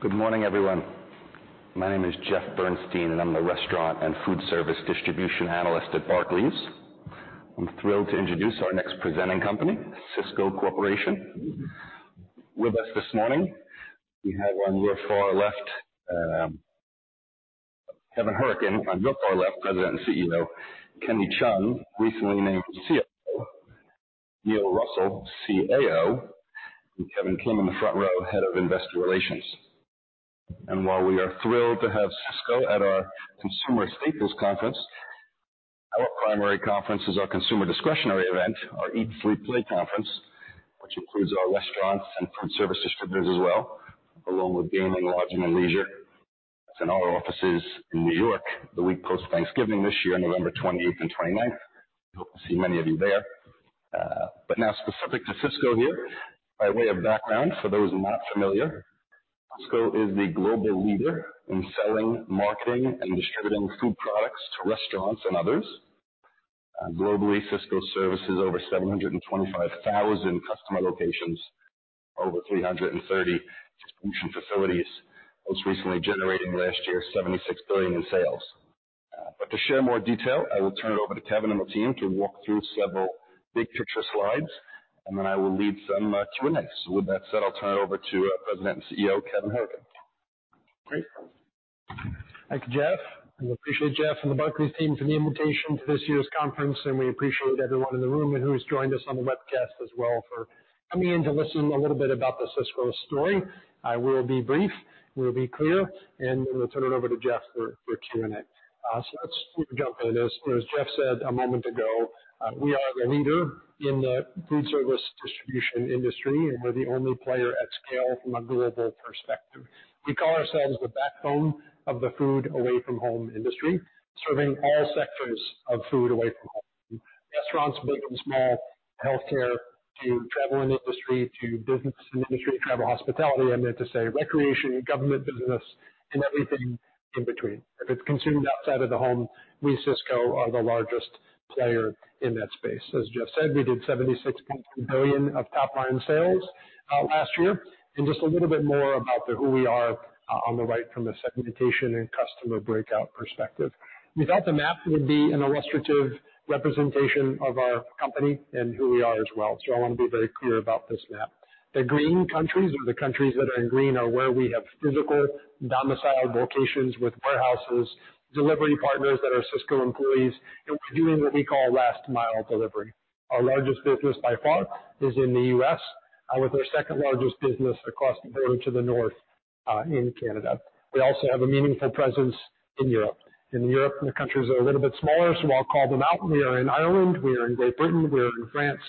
Good morning, everyone. My name is Jeff Bernstein, and I'm the restaurant and food service distribution analyst at Barclays. I'm thrilled to introduce our next presenting company, Sysco Corporation. With us this morning, we have on your far left, Kevin Hourican. On your far left, President and CEO, Kenny Cheung, recently named CFO. Neil Russell, CAO, and Kevin Kim in the front row, Head of Investor Relations. While we are thrilled to have Sysco at our consumer staples conference, our primary conference is our consumer discretionary event, our Eat, Sleep, Play Conference, which includes our restaurants and food services for biz as well, along with gaming, lodging, and leisure. It's in our offices in New York, the week post-Thanksgiving this year, November 28th and 29th. Hope to see many of you there. But now specific to Sysco here. By way of background, for those not familiar, Sysco is the global leader in selling, marketing, and distributing food products to restaurants and others. Globally, Sysco services over 725,000 customer locations, over 330 distribution facilities, most recently generating last year, $76 billion in sales. But to share more detail, I will turn it over to Kevin and the team to walk through several big picture slides, and then I will lead some Q&A. So with that said, I'll turn it over to our President and CEO, Kevin Hourican. Great. Thank you, Jeff. We appreciate Jeff and the Barclays team for the invitation to this year's conference, and we appreciate everyone in the room and who has joined us on the webcast as well for coming in to listen a little bit about the Sysco story. I will be brief, we'll be clear, and then we'll turn it over to Jeff for Q&A. So let's jump in. As Jeff said a moment ago, we are the leader in the food service distribution industry, and we're the only player at scale from a global perspective. We call ourselves the backbone of the food away-from-home industry, serving all sectors of food away from home. Restaurants, big and small, healthcare, to travel and industry, to business and industry, travel, hospitality, I meant to say recreation, government, business and everything in between. If it's consumed outside of the home, we, Sysco, are the largest player in that space. As Jeff said, we did $76.2 billion of top-line sales last year. Just a little bit more about who we are, on the right, from a segmentation and customer breakout perspective. We thought the map would be an illustrative representation of our company and who we are as well. I want to be very clear about this map. The green countries, or the countries that are in green, are where we have physical domiciled locations with warehouses, delivery partners that are Sysco employees, and we're doing what we call last mile delivery. Our largest business by far is in the U.S., with our second largest business across the border to the north, in Canada. We also have a meaningful presence in Europe. In Europe, the countries are a little bit smaller, so I'll call them out. We are in Ireland, we are in Great Britain, we are in France,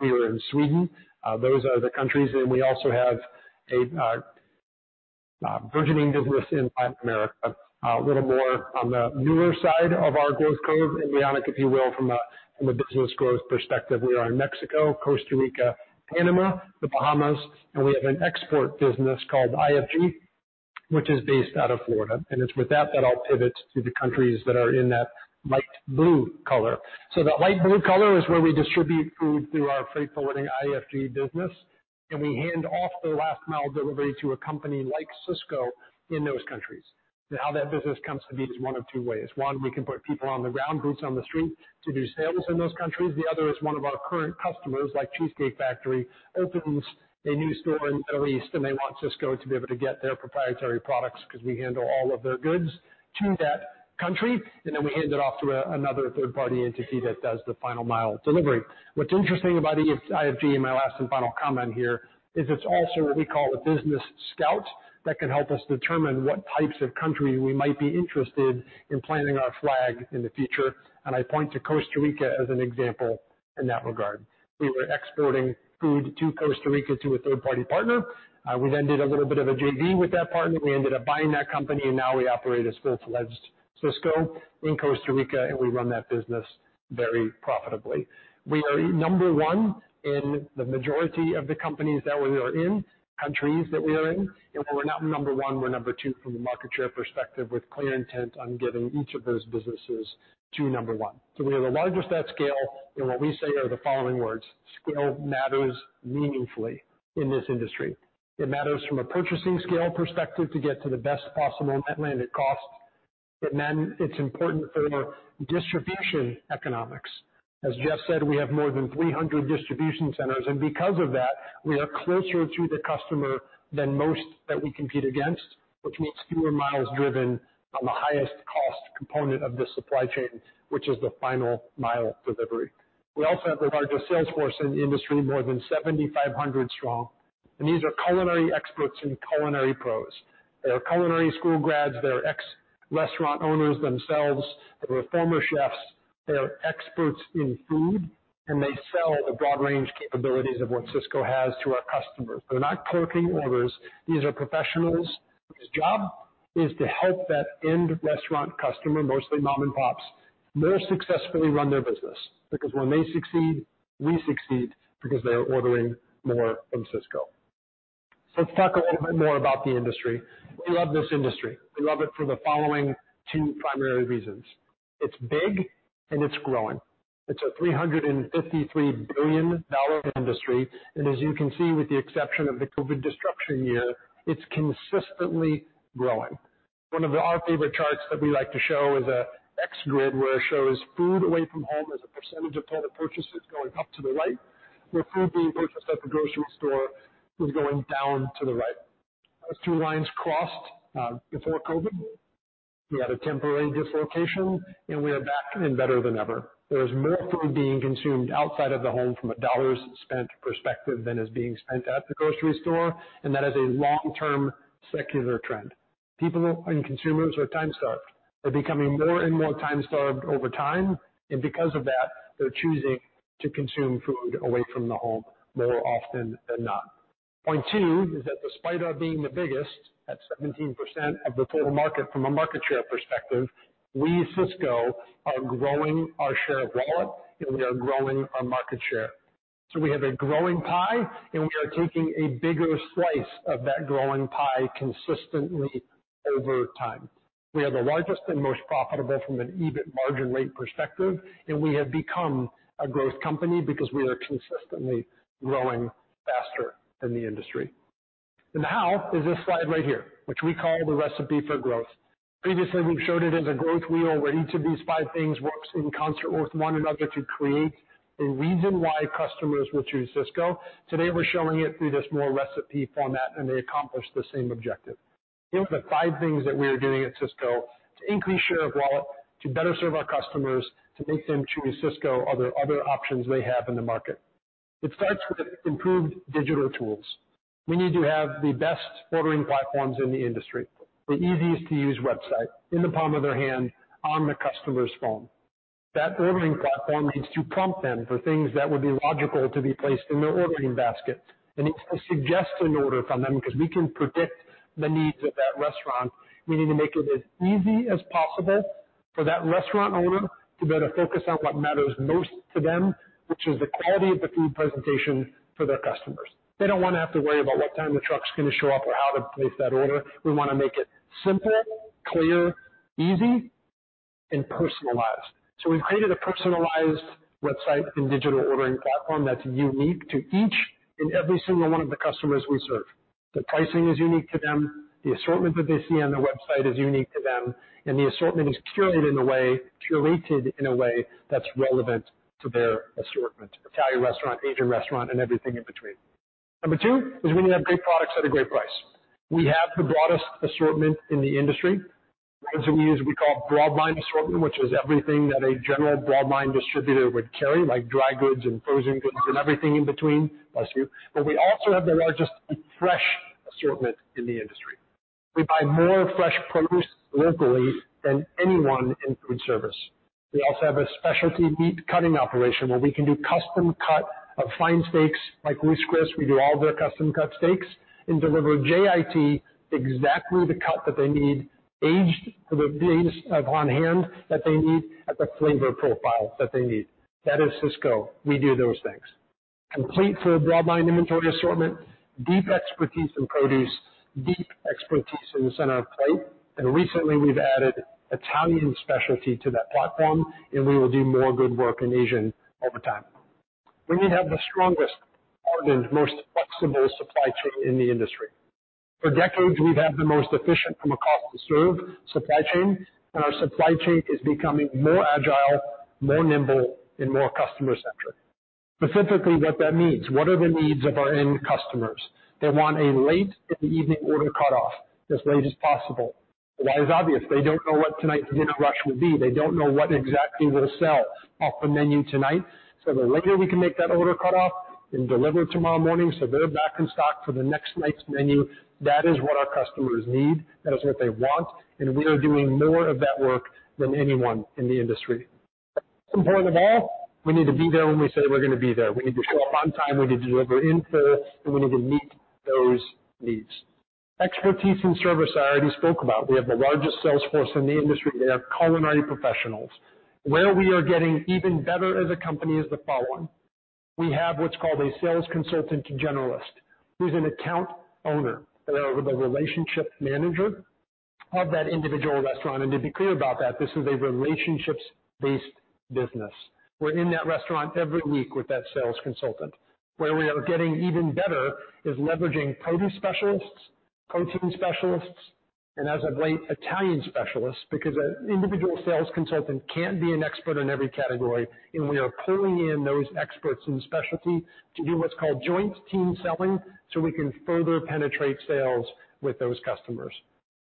we are in Sweden. Those are the countries. And we also have a burgeoning business in Latin America. A little more on the newer side of our growth curve, embryonic, if you will, from a business growth perspective. We are in Mexico, Costa Rica, Panama, the Bahamas, and we have an export business called IFG, which is based out of Florida. And it's with that, that I'll pivot to the countries that are in that light blue color. So that light blue color is where we distribute food through our freight forwarding IFG business, and we hand off the last mile delivery to a company like Sysco in those countries. And how that business comes to be is one of two ways. One, we can put people on the ground, boots on the street, to do sales in those countries. The other is one of our current customers, like Cheesecake Factory, opens a new store in the Middle East, and they want Sysco to be able to get their proprietary products, because we handle all of their goods to that country, and then we hand it off to another third-party entity that does the final mile delivery. What's interesting about IFG, and my last and final comment here, is it's also what we call a business scout that can help us determine what types of country we might be interested in planting our flag in the future. And I point to Costa Rica as an example in that regard. We were exporting food to Costa Rica to a third-party partner. We then did a little bit of a JV with that partner. We ended up buying that company, and now we operate as full-fledged Sysco in Costa Rica, and we run that business very profitably. We are number one in the majority of the companies that we are in, countries that we are in, and where we're not number one, we're number two from a market share perspective, with clear intent on getting each of those businesses to number one. So we are the largest at scale, and what we say are the following words: Scale matters meaningfully in this industry. It matters from a purchasing scale perspective to get to the best possible net landed cost, but then it's important for distribution economics. As Jeff said, we have more than 300 distribution centers, and because of that, we are closer to the customer than most that we compete against, which means fewer miles driven on the highest cost component of the supply chain, which is the final mile delivery. We also have the largest sales force in the industry, more than 7,500 strong, and these are culinary experts and culinary pros. They are culinary school grads, they are ex-restaurant owners themselves, they are former chefs, they are experts in food, and they sell the broad range capabilities of what Sysco has to our customers. They're not taking orders. These are professionals whose job is to help that end restaurant customer, mostly mom-and-pops, more successfully run their business, because when they succeed, we succeed, because they're ordering more from Sysco. So let's talk a little bit more about the industry. We love this industry. We love it for the following two primary reasons. It's big and it's growing. It's a $353 billion industry, and as you can see, with the exception of the COVID disruption year, it's consistently growing. One of our favorite charts that we like to show is a X-Grid, where it shows food away from home as a percentage of total purchases going up to the right, where food being purchased at the grocery store is going down to the right. Those two lines crossed before COVID. We had a temporary dislocation, and we are back and better than ever. There is more food being consumed outside of the home from a dollars spent perspective than is being spent at the grocery store, and that is a long-term secular trend. People and consumers are time-starved. They're becoming more and more time-starved over time, and because of that, they're choosing to consume food away from the home more often than not. Point two is that despite our being the biggest, at 17% of the total market from a market share perspective, we, Sysco, are growing our share of wallet, and we are growing our market share. So we have a growing pie, and we are taking a bigger slice of that growing pie consistently over time. We are the largest and most profitable from an EBIT margin rate perspective, and we have become a growth company because we are consistently growing faster than the industry. And how is this slide right here, which we call the Recipe for Growth. Previously, we've showed it as a growth wheel, where each of these five things works in concert with one another to create a reason why customers will choose Sysco. Today, we're showing it through this more recipe format, and they accomplish the same objective. Here are the five things that we are doing at Sysco to increase share of wallet, to better serve our customers, to make them choose Sysco over other options they have in the market. It starts with improved digital tools. We need to have the best ordering platforms in the industry. The easiest to use website, in the palm of their hand, on the customer's phone. That ordering platform needs to prompt them for things that would be logical to be placed in their ordering basket. It needs to suggest an order from them, because we can predict the needs of that restaurant. We need to make it as easy as possible for that restaurant owner to better focus on what matters most to them, which is the quality of the food presentation for their customers. They don't want to have to worry about what time the truck's going to show up or how to place that order. We want to make it simple, clear, easy, and personalized. So we've created a personalized website and digital ordering platform that's unique to each and every single one of the customers we serve. The pricing is unique to them, the assortment that they see on the website is unique to them, and the assortment is curated in a way, curated in a way that's relevant to their assortment, Italian restaurant, Asian restaurant and everything in between. Number two is we need to have great products at a great price. We have the broadest assortment in the industry. And so we use what we call broad line assortment, which is everything that a general broad line distributor would carry, like dry goods and frozen goods and everything in between. Bless you. But we also have the largest fresh assortment in the industry. We buy more fresh produce locally than anyone in food service. We also have a specialty meat cutting operation, where we can do custom cut of fine steaks, like Ruth's Chris, we do all of their custom cut steaks and deliver JIT exactly the cut that they need, aged to the days upon hand that they need, at the flavor profile that they need. That is Sysco. We do those things. Complete food Broadline inventory assortment, deep expertise in produce, deep expertise in the Center of the Plate, and recently we've added Italian specialty to that platform, and we will do more good work in Asian over time. We need to have the strongest, hardest, most flexible supply chain in the industry. For decades, we've had the most efficient from a cost-to-serve supply chain, and our supply chain is becoming more agile, more nimble and more customer-centric. Specifically, what that means. What are the needs of our end customers? They want a late-in-the-evening order cut-off, as late as possible. Why is obvious? They don't know what tonight's dinner rush will be. They don't know what exactly will sell off the menu tonight. So the later we can make that order cut-off and deliver it tomorrow morning, so they're back in stock for the next night's menu, that is what our customers need, that is what they want, and we are doing more of that work than anyone in the industry. Most important of all, we need to be there when we say we're going to be there. We need to show up on time, we need to deliver in full, and we need to meet those needs. Expertise in service, I already spoke about. We have the largest sales force in the industry. We have culinary professionals. Where we are getting even better as a company is the following: we have what's called a Sales Consultant Generalist, who's an account owner or the relationship manager of that individual restaurant. And to be clear about that, this is a relationships-based business. We're in that restaurant every week with that Sales Consultant. Where we are getting even better is leveraging Produce Specialists, Protein Specialists, and as of late, Italian Specialists, because an individual Sales Consultant can't be an expert in every category, and we are pulling in those experts in the specialty to do what's called joint team selling, so we can further penetrate sales with those customers.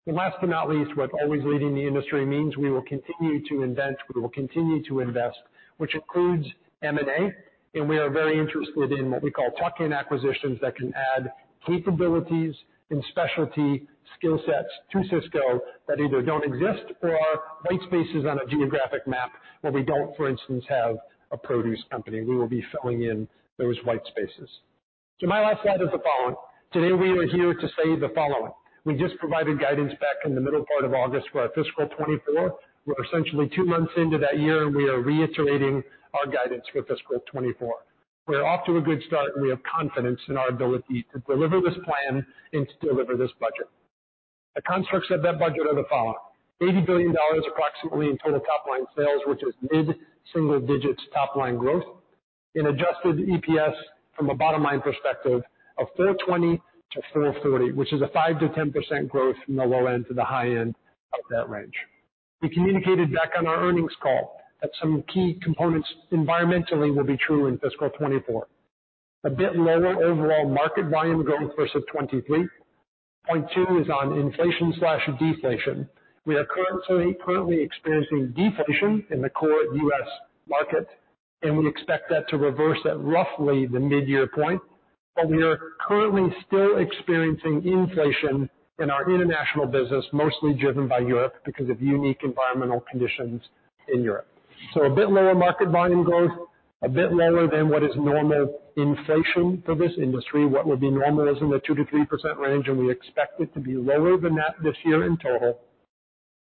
And last but not least, what always leading the industry means we will continue to invent, we will continue to invest, which includes M&A, and we are very interested in what we call tuck-in acquisitions that can add capabilities and specialty skill sets to Sysco that either don't exist or are white spaces on a geographic map where we don't, for instance, have a produce company. We will be filling in those white spaces. So my last slide is the following. Today, we are here to say the following: we just provided guidance back in the middle part of August for our fiscal 2024. We're essentially two months into that year, we are reiterating our guidance for fiscal 2024. We're off to a good start, and we have confidence in our ability to deliver this plan and to deliver this budget. The constructs of that budget are the following: approximately $80 billion in total top line sales, which is mid-single digits top line growth, and Adjusted EPS from a bottom line perspective of $4.20-$4.40, which is a 5%-10% growth from the low end to the high end of that range. We communicated back on our earnings call that some key components environmentally will be true in fiscal 2024. A bit lower overall market volume growth versus 2023. Point two is on inflation/deflation. We are currently experiencing deflation in the core U.S. market, and we expect that to reverse at roughly the mid-year point. But we are currently still experiencing inflation in our international business, mostly driven by Europe, because of unique environmental conditions in Europe. So a bit lower market volume growth, a bit lower than what is normal inflation for this industry. What would be normal is in the 2%-3% range, and we expect it to be lower than that this year in total.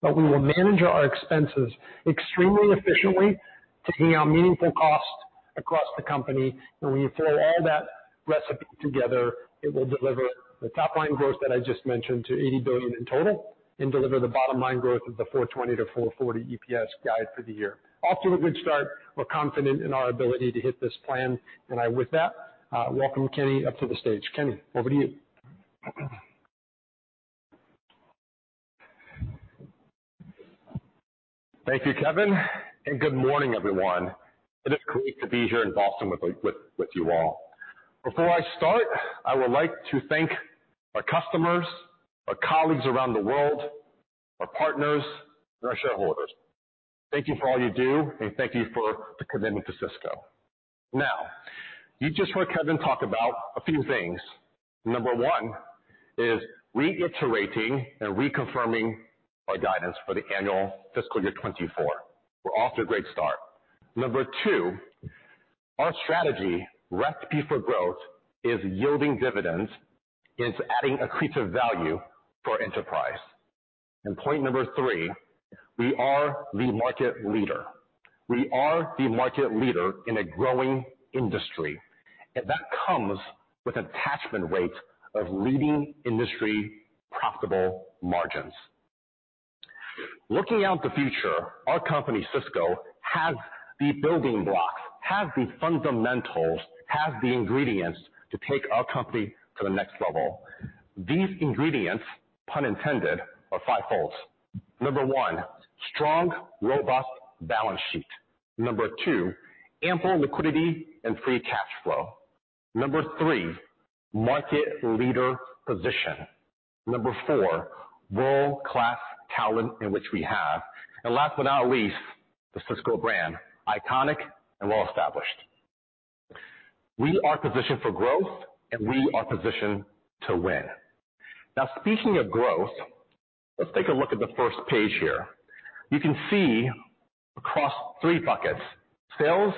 But we will manage our expenses extremely efficiently, taking out meaningful cost across the company, and when you throw all that recipe together, it will deliver the top line growth that I just mentioned to $80 billion in total, and deliver the bottom line growth of the $4.20-$4.40 EPS guide for the year. Off to a good start. We're confident in our ability to hit this plan, and with that, welcome Kenny up to the stage. Kenny, over to you. Thank you, Kevin, and good morning, everyone. It is great to be here in Boston with you all. Before I start, I would like to thank our customers, our colleagues around the world, our partners, and our shareholders. Thank you for all you do, and thank you for the commitment to Sysco. Now, you just heard Kevin talk about a few things. Number one is reiterating and reconfirming our guidance for the annual fiscal year 2024. We're off to a great start. Number two, our strategy, Recipe for Growth, is yielding dividends. It's adding accretive value for enterprise. And point number three, we are the market leader. We are the market leader in a growing industry, and that comes with an attachment rate of leading industry profitable margins. Looking to the future, our company, Sysco, has the building blocks, has the fundamentals, has the ingredients to take our company to the next level. These ingredients, pun intended, are fivefold. Number one, strong, robust balance sheet. Number two, ample liquidity and free cash flow. Number three, market leader position. Number four, world-class talent in which we have. And last but not least, the Sysco brand, iconic and well-established. We are positioned for growth, and we are positioned to win. Now, speaking of growth, let's take a look at the first page here. You can see across three buckets, sales,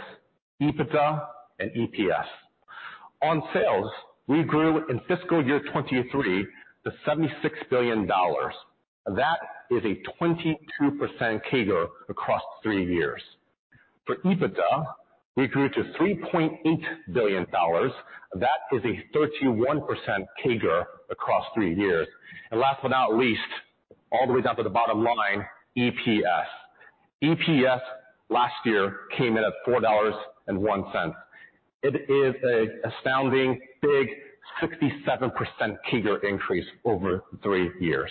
EBITDA, and EPS. On sales, we grew in fiscal year 2023 to $76 billion. That is a 22% CAGR across three years. For EBITDA, we grew to $3.8 billion. That is a 31% CAGR across three years. And last but not least, all the way down to the bottom line, EPS. EPS last year came in at $4.01. It is an astounding, big 67% CAGR increase over three years.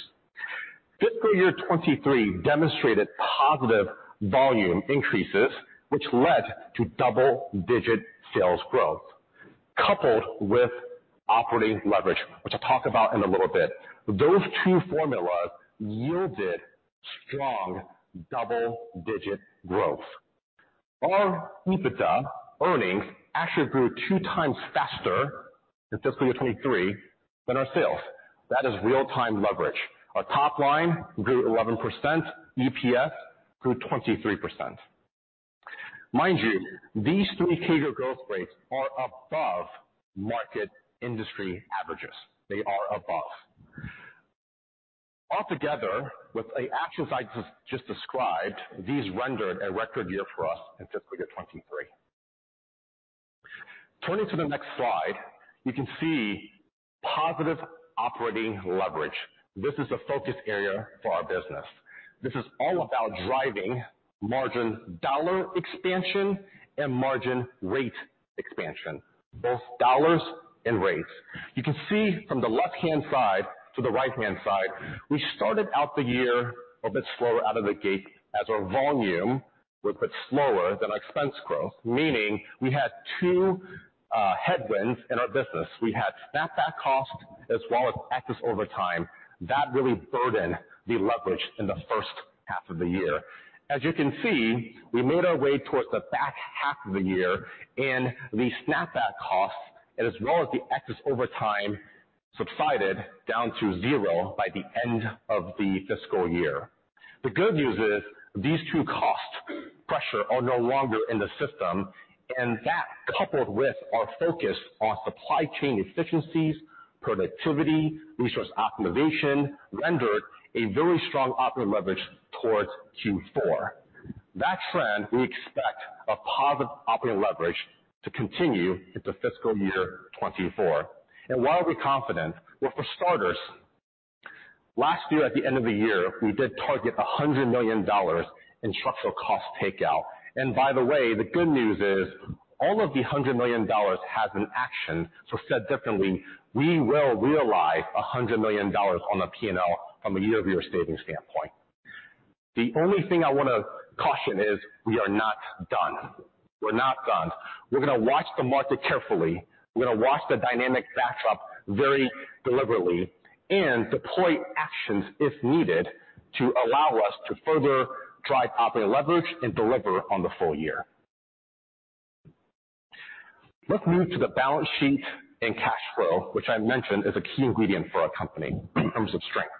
Fiscal year 2023 demonstrated positive volume increases, which led to double-digit sales growth, coupled with operating leverage, which I'll talk about in a little bit. Those two formulas yielded strong double-digit growth. Our EBITDA earnings actually grew two times faster in fiscal year 2023 than our sales. That is real-time leverage. Our top line grew 11%, EPS grew 23%. Mind you, these three CAGR growth rates are above market industry averages. They are above. Altogether, with the actions I just described, these rendered a record year for us in fiscal year 2023. Turning to the next slide, you can see positive operating leverage. This is a focus area for our business. This is all about driving margin dollar expansion and margin rate expansion, both dollars and rates. You can see from the left-hand side to the right-hand side, we started out the year a bit slower out of the gate, as our volume were a bit slower than our expense growth, meaning we had two headwinds in our business. We had snapback cost as well as excess overtime. That really burdened the leverage in the first half of the year. As you can see, we made our way towards the back half of the year, and the snapback costs, and as well as the excess overtime, subsided down to zero by the end of the fiscal year. The good news is, these two cost pressures are no longer in the system, and that, coupled with our focus on supply chain efficiencies, productivity, resource optimization, rendered a very strong operating leverage towards Q4. That trend, we expect positive operating leverage to continue into fiscal year 2024. And why are we confident? Well, for starters, last year, at the end of the year, we did target $100 million in structural cost takeout. And by the way, the good news is, all of the $100 million has an action. So said differently, we will realize $100 million on the P&L from a year-over-year savings standpoint. The only thing I wanna caution is, we are not done. We're not done. We're gonna watch the market carefully. We're gonna watch the dynamic backdrop very deliberately and deploy actions, if needed, to allow us to further drive operating leverage and deliver on the full year. Let's move to the balance sheet and cash flow, which I mentioned is a key ingredient for our company in terms of strength.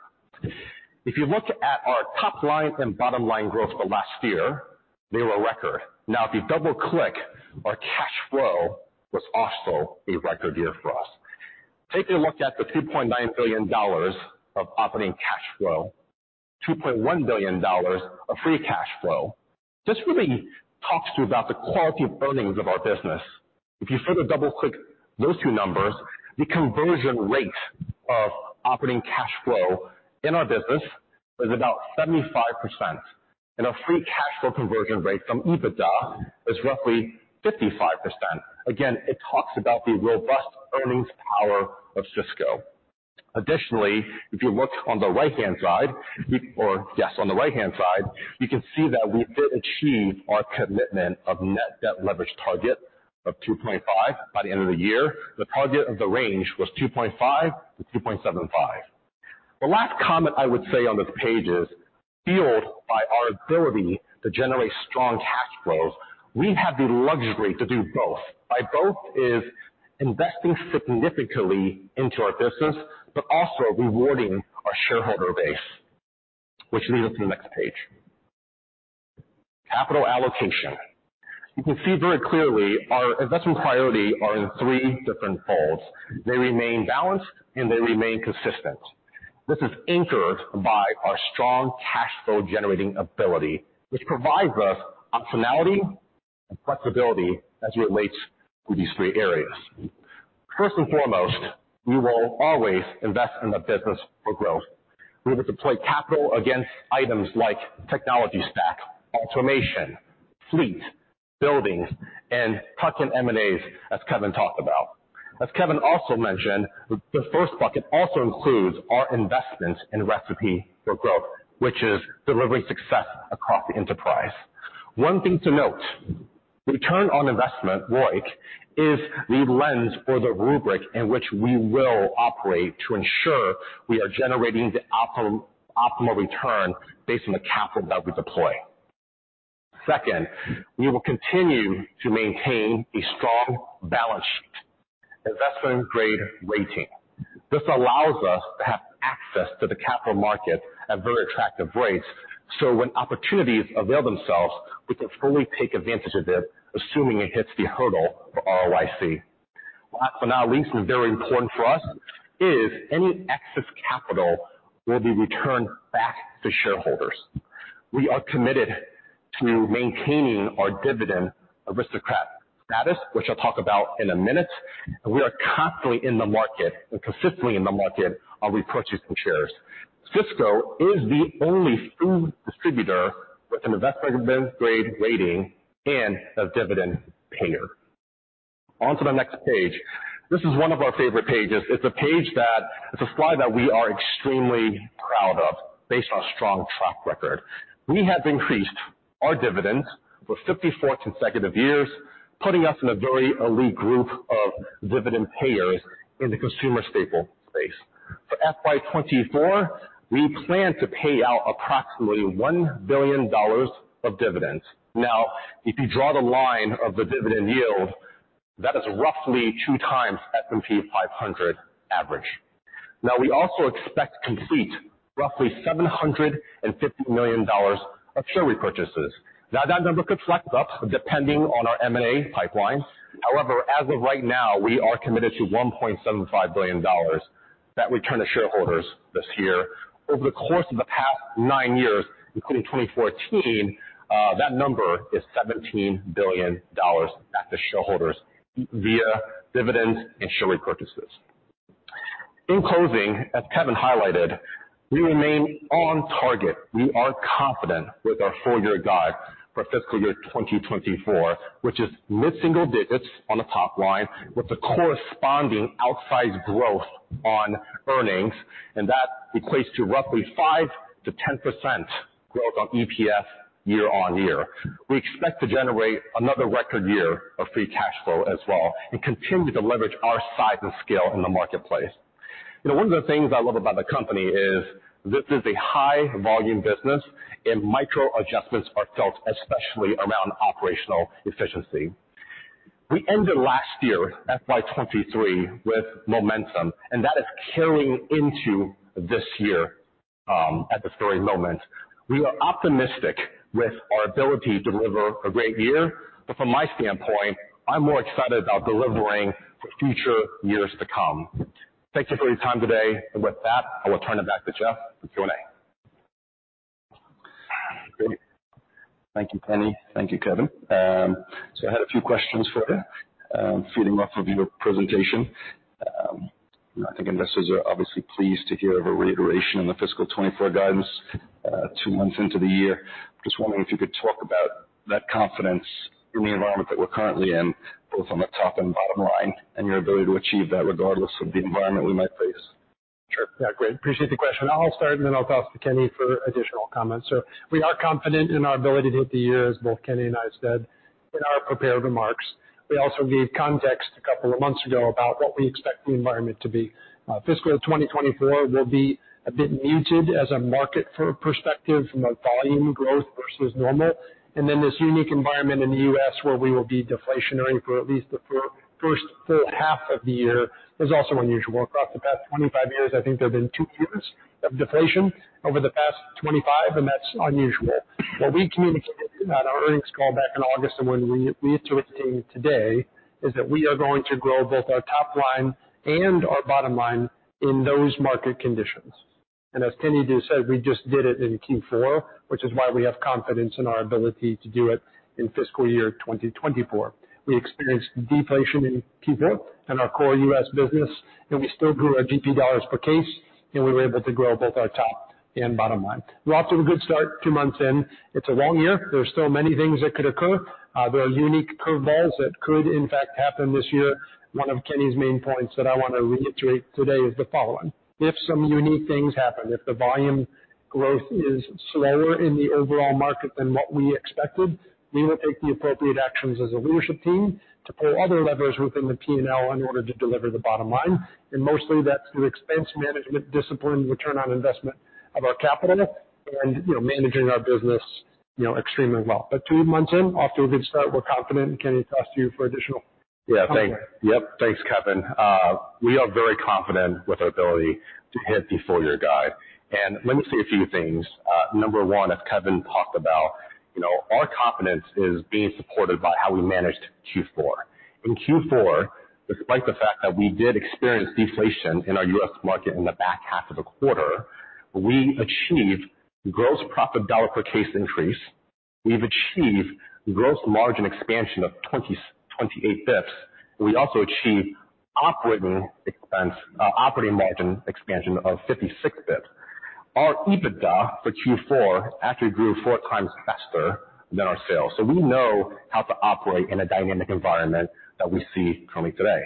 If you look at our top line and bottom line growth for last year, they were a record. Now, if you double-click, our cash flow was also a record year for us. Taking a look at the $2.9 billion of operating cash flow, $2.1 billion of free cash flow, this really talks to you about the quality of earnings of our business. If you further double-click those two numbers, the conversion rate of operating cash flow in our business is about 75%, and our free cash flow conversion rate from EBITDA is roughly 55%. Again, it talks about the robust earnings power of Sysco. Additionally, if you look on the right-hand side, we, or yes, on the right-hand side, you can see that we did achieve our commitment of net debt leverage target of 2.5 by the end of the year. The target of the range was 2.5-2.75. The last comment I would say on this page is, fueled by our ability to generate strong cash flows, we have the luxury to do both. By both is investing significantly into our business, but also rewarding our shareholder base, which leads us to the next page. Capital allocation. You can see very clearly our investment priority are in three different folds. They remain balanced, and they remain consistent. This is anchored by our strong cash flow-generating ability, which provides us optionality and flexibility as it relates to these three areas. First and foremost, we will always invest in the business for growth. We will deploy capital against items like technology stack, automation, fleet, buildings, and tuck-in M&As, as Kevin talked about. As Kevin also mentioned, the first bucket also includes our investment in Recipe for Growth, which is delivering success across the enterprise. One thing to note, return on investment, ROIC, is the lens or the rubric in which we will operate to ensure we are generating the optimal return based on the capital that we deploy. Second, we will continue to maintain a strong balance sheet, investment-grade rating. This allows us to have access to the capital market at very attractive rates, so when opportunities avail themselves, we can fully take advantage of it, assuming it hits the hurdle for ROIC. Last but not least, and very important for us, is any excess capital will be returned back to shareholders. We are committed to maintaining our Dividend Aristocrat status, which I'll talk about in a minute. We are constantly in the market, and consistently in the market, of repurchasing shares. Sysco is the only food distributor with an investment-grade rating and a dividend payer. On to the next page. This is one of our favorite pages. It's a slide that we are extremely proud of, based on a strong track record. We have increased our dividends for 54 consecutive years, putting us in a very elite group of dividend payers in the consumer staple space. For FY 2024, we plan to pay out approximately $1 billion of dividends. Now, if you draw the line of the dividend yield, that is roughly 2x S&P 500 average. Now, we also expect to complete roughly $750 million of share repurchases. Now, that number could flex up depending on our M&A pipeline. However, as of right now, we are committed to $1.75 billion that return to shareholders this year. Over the course of the past nine years, including 2014, that number is $17 billion back to shareholders via dividends and share repurchases. In closing, as Kevin highlighted, we remain on target. We are confident with our full-year guide for fiscal year 2024, which is mid-single digits on the top line, with the corresponding outsized growth on earnings, and that equates to roughly 5%-10% growth on EPS year-on-year. We expect to generate another record year of free cash flow as well, and continue to leverage our size and scale in the marketplace. You know, one of the things I love about the company is this is a high-volume business, and micro adjustments are felt, especially around operational efficiency. We ended last year, FY 2023, with momentum, and that is carrying into this year, at this very moment. We are optimistic with our ability to deliver a great year, but from my standpoint, I'm more excited about delivering for future years to come. Thank you for your time today, and with that, I will turn it back to Jeff for Q&A.... Great. Thank you, Kenny. Thank you, Kevin. So I had a few questions for you, feeding off of your presentation. I think investors are obviously pleased to hear of a reiteration on the fiscal 2024 guidance, two months into the year. Just wondering if you could talk about that confidence in the environment that we're currently in, both on the top and bottom line, and your ability to achieve that regardless of the environment we might face. Sure. Yeah, great. Appreciate the question. I'll start, and then I'll pass to Kenny for additional comments. So we are confident in our ability to hit the year, as both Kenny and I said in our prepared remarks. We also gave context a couple of months ago about what we expect the environment to be. Fiscal 2024 will be a bit muted as a market for perspective from a volume growth versus normal. And then this unique environment in the U.S., where we will be deflationary for at least the first full half of the year, is also unusual. Across the past 25 years, I think there have been two years of deflation over the past 25, and that's unusual. What we communicated on our earnings call back in August, and what we, we reiterate today, is that we are going to grow both our top line and our bottom line in those market conditions. And as Kenny just said, we just did it in Q4, which is why we have confidence in our ability to do it in fiscal year 2024. We experienced deflation in Q4 in our core U.S. business, and we still grew our GP dollars per case, and we were able to grow both our top and bottom line. We're off to a good start two months in. It's a long year. There are still many things that could occur. There are unique curveballs that could, in fact, happen this year. One of Kenny's main points that I want to reiterate today is the following: If some unique things happen, if the volume growth is slower in the overall market than what we expected, we will take the appropriate actions as a leadership team to pull other levers within the P&L in order to deliver the bottom line. And mostly, that's through expense management, discipline, return on investment of our capital and, you know, managing our business, you know, extremely well. But two months in, off to a good start, we're confident. Kenny, pass to you for additional comment. Yeah, thanks. Yep, thanks, Kevin. We are very confident with our ability to hit the full-year guide. And let me say a few things. Number one, as Kevin talked about, you know, our confidence is being supported by how we managed Q4. In Q4, despite the fact that we did experience deflation in our U.S. market in the back half of the quarter, we achieved gross profit dollar per case increase. We've achieved gross margin expansion of 28 basis points, and we also achieved operating expense, operating margin expansion of 56 basis points. Our EBITDA for Q4 actually grew 4x than our sales. So we know how to operate in a dynamic environment that we see coming today.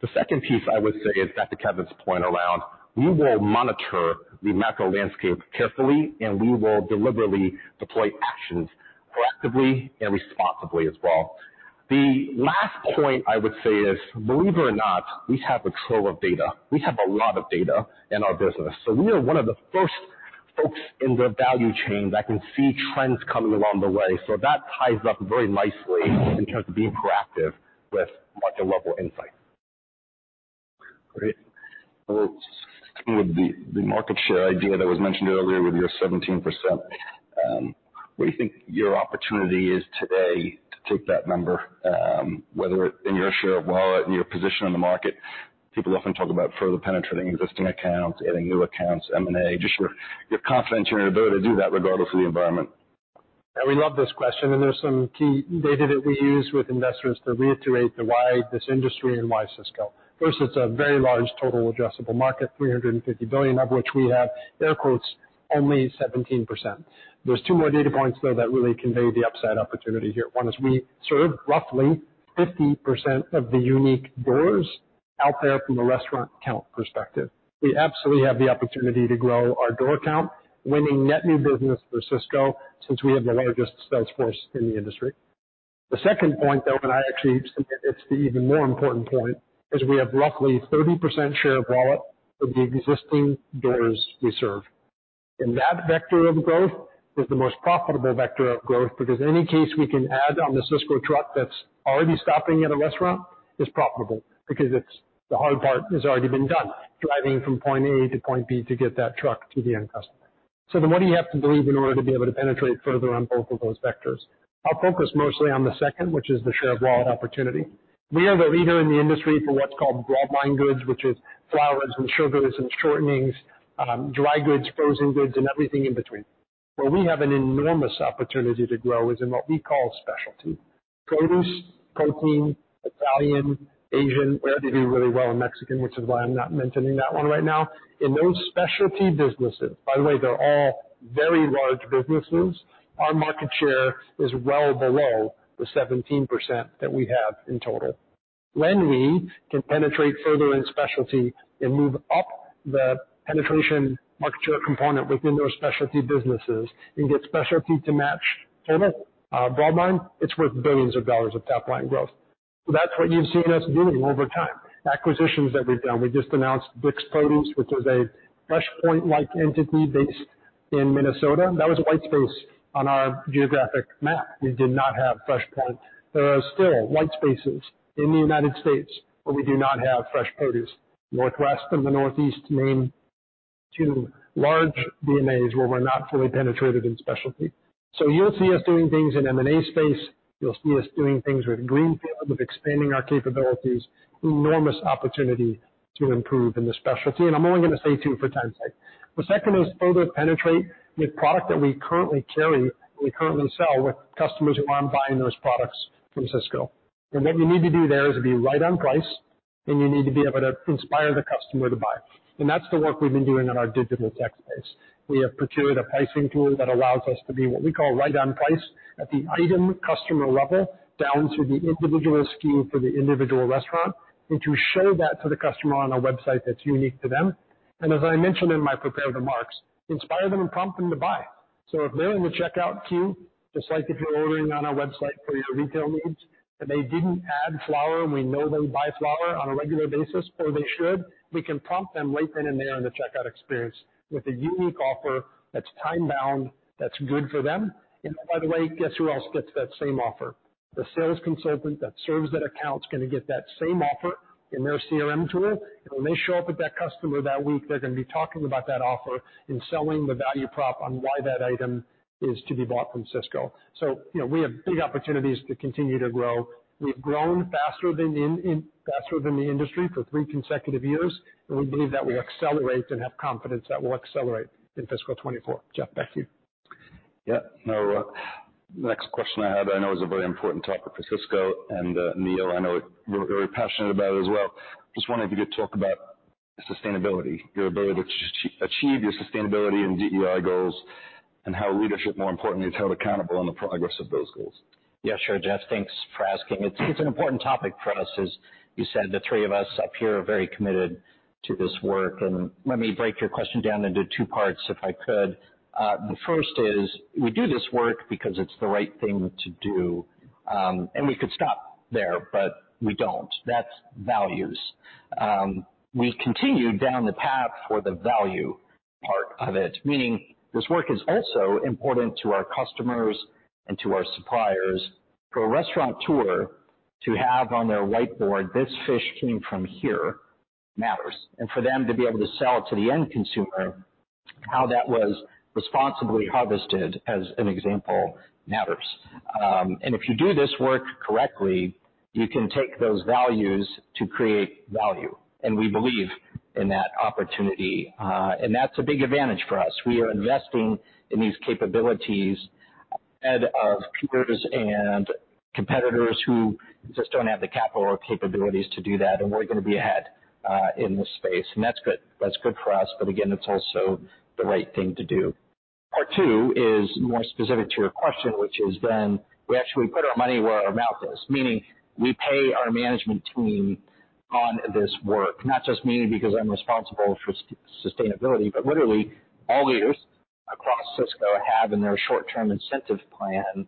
The second piece I would say is back to Kevin's point around, we will monitor the macro landscape carefully, and we will deliberately deploy actions proactively and responsibly as well. The last point I would say is, believe it or not, we have a trove of data. We have a lot of data in our business. So we are one of the first folks in the value chain that can see trends coming along the way. So that ties up very nicely in terms of being proactive with market level insight. Great. So the market share idea that was mentioned earlier with your 17%, what do you think your opportunity is today to take that number, whether in your share of wallet, in your position in the market? People often talk about further penetrating existing accounts, adding new accounts, M&A. Just your confidence in your ability to do that regardless of the environment. Yeah, we love this question, and there's some key data that we use with investors to reiterate the why this industry and why Sysco. First, it's a very large total addressable market, $350 billion, of which we have air quotes, "only 17%." There's two more data points, though, that really convey the upside opportunity here. One is we serve roughly 50% of the unique doors out there from a restaurant count perspective. We absolutely have the opportunity to grow our door count, winning net new business for Sysco, since we have the largest sales force in the industry. The second point, though, and I actually think it's the even more important point, is we have roughly 30% share of wallet of the existing doors we serve. That vector of growth is the most profitable vector of growth, because in any case we can add on the Sysco truck that's already stopping at a restaurant is profitable because it's... The hard part has already been done, driving from point A to point B to get that truck to the end customer. So then, what do you have to believe in order to be able to penetrate further on both of those vectors? I'll focus mostly on the second, which is the share of wallet opportunity. We are the leader in the industry for what's called broadline goods, which is flours and sugars and shortenings, dry goods, frozen goods, and everything in between. Where we have an enormous opportunity to grow is in what we call specialty produce, protein, Italian, Asian. We already do really well in Mexican, which is why I'm not mentioning that one right now. In those specialty businesses, by the way, they're all very large businesses, our market share is well below the 17% that we have in total. When we can penetrate further in specialty and move up the penetration market share component within those specialty businesses and get specialty to match total, broad line, it's worth billions of dollars of top line growth. So that's what you've seen us doing over time. Acquisitions that we've done, we just announced BIX Produce, which is a FreshPoint-like entity based in Minnesota. That was a white space on our geographic map. We did not have FreshPoint. There are still white spaces in the United States, where we do not have fresh produce. Northwest and the Northeast remain two large DMAs, where we're not fully penetrated in specialty. So you'll see us doing things in M&A space.... You'll see us doing things with greenfield, with expanding our capabilities. Enormous opportunity to improve in the specialty. And I'm only going to say two for time's sake. The second is further penetrate the product that we currently carry and we currently sell with customers who aren't buying those products from Sysco. And what you need to do there is be right on price, and you need to be able to inspire the customer to buy. And that's the work we've been doing on our digital tech space. We have procured a pricing tool that allows us to be, what we call right on price, at the item customer level, down to the individual SKU for the individual restaurant, and to show that to the customer on a website that's unique to them. And as I mentioned in my prepared remarks, inspire them and prompt them to buy. So if they're in the checkout queue, just like if you're ordering on our website for your retail needs, and they didn't add flour, and we know they buy flour on a regular basis, or they should, we can prompt them right then and there in the checkout experience with a unique offer that's time bound, that's good for them. And by the way, guess who else gets that same offer? The sales consultant that serves that account is going to get that same offer in their CRM tool. And when they show up with that customer that week, they're going to be talking about that offer and selling the value prop on why that item is to be bought from Sysco. So, you know, we have big opportunities to continue to grow. We've grown faster than the industry for three consecutive years, and we believe that we accelerate and have confidence that we'll accelerate in fiscal 2024. Jeff, back to you. Yeah. Now, next question I had, I know is a very important topic for Sysco and, Neil, I know you're very passionate about it as well. Just wondering if you could talk about sustainability, your ability to achieve your sustainability and DEI goals, and how leadership, more importantly, is held accountable on the progress of those goals. Yeah, sure, Jeff. Thanks for asking. It's an important topic for us. As you said, the three of us up here are very committed to this work, and let me break your question down into two parts, if I could. The first is, we do this work because it's the right thing to do, and we could stop there, but we don't. That's values. We continue down the path for the value part of it, meaning this work is also important to our customers and to our suppliers. For a restaurateur to have on their whiteboard, "This fish came from here," matters, and for them to be able to sell it to the end consumer, how that was responsibly harvested, as an example, matters. And if you do this work correctly, you can take those values to create value, and we believe in that opportunity. and that's a big advantage for us. We are investing in these capabilities ahead of peers and competitors who just don't have the capital or capabilities to do that, and we're going to be ahead in this space. And that's good. That's good for us, but again, it's also the right thing to do. Part two is more specific to your question, which is then we actually put our money where our mouth is, meaning we pay our management team on this work. Not just me, because I'm responsible for sustainability, but literally all leaders across Sysco have in their short-term incentive plan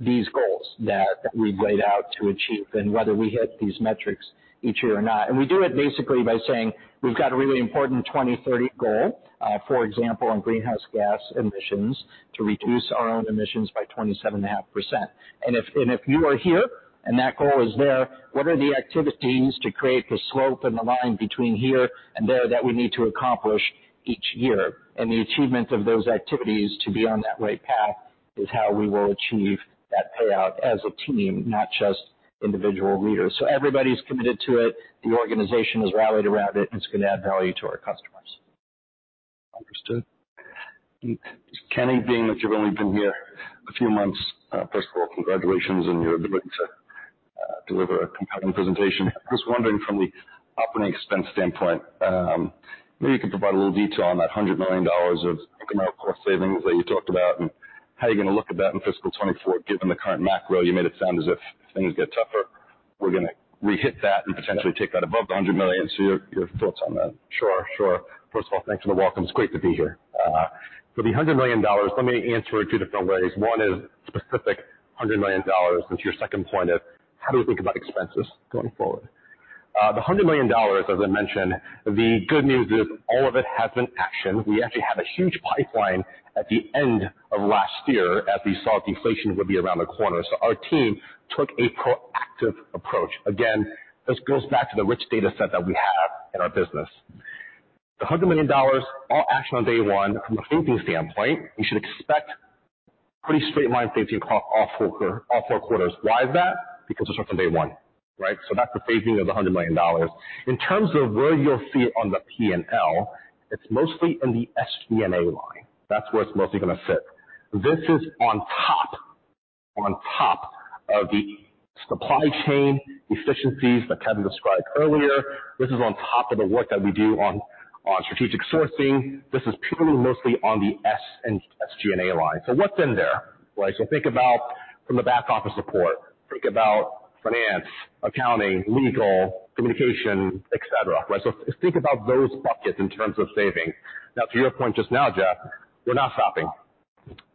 these goals that we've laid out to achieve and whether we hit these metrics each year or not. We do it basically by saying we've got a really important 2030 goal, for example, on greenhouse gas emissions, to reduce our own emissions by 27.5%. And if you are here and that goal is there, what are the activities to create the slope and the line between here and there that we need to accomplish each year? And the achievement of those activities to be on that right path is how we will achieve that payout as a team, not just individual leaders. So everybody's committed to it, the organization has rallied around it, and it's going to add value to our customers. Understood. Kenny, being that you've only been here a few months, first of all, congratulations on your ability to deliver a compelling presentation. I was wondering, from the operating expense standpoint, maybe you could provide a little detail on that $100 million of commercial cost savings that you talked about, and how are you going to look at that in fiscal 2024, given the current macro? You made it sound as if things get tougher, we're going to re-hit that and potentially take that above the $100 million. So your thoughts on that. Sure, sure. First of all, thanks for the welcome. It's great to be here. For the $100 million, let me answer it two different ways. One is specific $100 million, and to your second point is: How do we think about expenses going forward? The $100 million, as I mentioned, the good news is all of it has been actioned. We actually had a huge pipeline at the end of last year as we saw deflation would be around the corner. So our team took a proactive approach. Again, this goes back to the rich data set that we have in our business. The $100 million, all actioned on day one from a phasing standpoint, you should expect pretty straight line phasing across all four quarters. Why is that? Because it's from day one, right? So that's the phasing of the $100 million. In terms of where you'll see it on the P&L, it's mostly in the SG&A line. That's where it's mostly going to sit. This is on top, on top of the supply chain efficiencies that Kevin described earlier. This is on top of the work that we do on, on strategic sourcing. This is purely, mostly on the SG&A line. So what's in there, right? So think about from the back office support, think about finance, accounting, legal, communication, et cetera, right? So just think about those buckets in terms of savings. Now, to your point just now, Jeff, we're not stopping.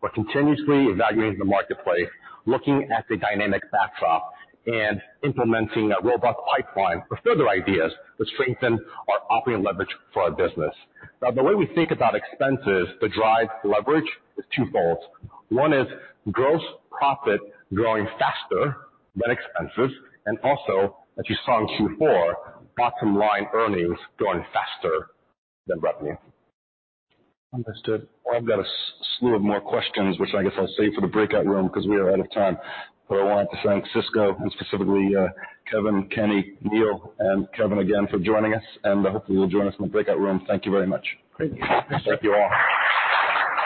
We're continuously evaluating the marketplace, looking at the dynamic backdrop, and implementing a robust pipeline for further ideas to strengthen our operating leverage for our business. Now, the way we think about expenses to drive leverage is twofold. One is gross profit growing faster than expenses, and also, as you saw in Q4, bottom line earnings growing faster than revenue. Understood. Well, I've got a slew of more questions, which I guess I'll save for the breakout room because we are out of time. But I want to thank Sysco and specifically, Kevin, Kenny, Neil and Kevin again for joining us, and hopefully, you'll join us in the breakout room. Thank you very much. Great. Thank you all.